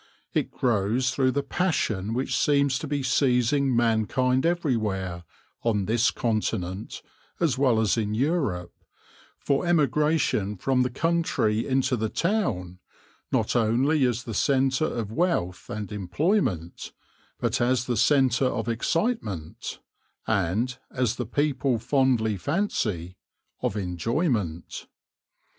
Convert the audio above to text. It grows through the passion which seems to be seizing mankind everywhere, on this continent as well as in Europe, for emigration from the country into the town, not only as the centre of wealth and employment, but as the centre of excitement, and, as the people fondly fancy, of enjoyment.